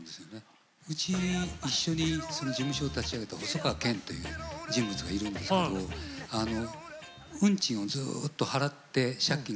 うち一緒に事務所を立ち上げた細川健という人物がいるんですけど運賃をずっと払って借金が。